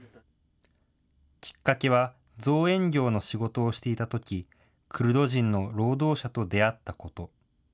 きっかけは造園業の仕事をしていたとき、クルド人の労働者と出会ったこと。